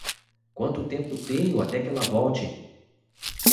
Quanto tempo tenho até que ela volte?